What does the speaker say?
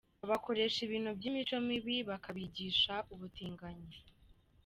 Babakoresha ibintu by’imico mibi, bakabigisha ubutinganyi.